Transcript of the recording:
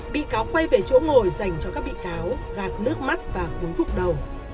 bị cáo quay về chỗ ngồi dành cho các bị cáo gạt nước mắt và cúi thúc đầu